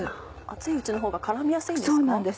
熱いうちのほうが絡みやすいんですか？